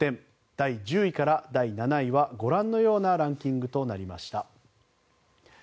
第１０位から７位はご覧のようなランキングとなりました。